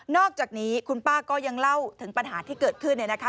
อกจากนี้คุณป้าก็ยังเล่าถึงปัญหาที่เกิดขึ้นเนี่ยนะคะ